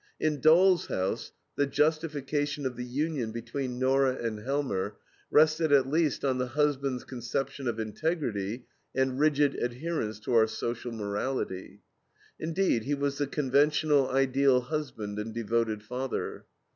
In DOLL'S HOUSE the justification of the union between Nora and Helmer rested at least on the husband's conception of integrity and rigid adherence to our social morality. Indeed, he was the conventional ideal husband and devoted father.